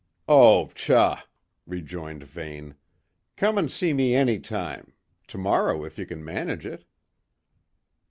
"Oh, pshaw!" rejoined Vane. "Come and see me any time: to morrow, if you can manage it."